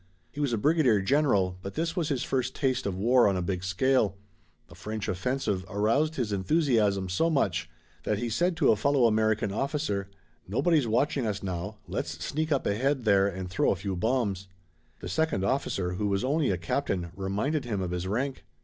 He was a brigadier general, but this was his first taste of war on a big scale. The French offensive aroused his enthusiasm so much that he said to a fellow American officer: "Nobody's watching us now, let's sneak up ahead there and throw a few bombs." The second officer, who was only a captain, reminded him of his rank.